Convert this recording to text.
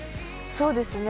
そうですね。